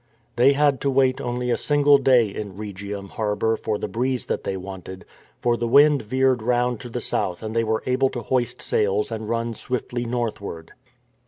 They had to wait only a single day in Rhegium harbour for the breeze that they wanted, for the wind veered round to the south and they were able to hoist sails and run swiftly northward.